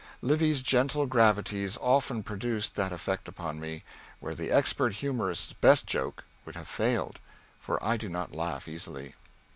Livy's gentle gravities often produced that effect upon me, where the expert humorist's best joke would have failed, for I do not laugh easily.